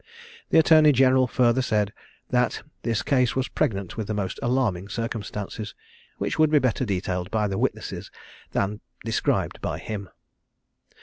The Attorney general further said, that this case was pregnant with the most alarming circumstances, which would be better detailed by the witnesses than described by him.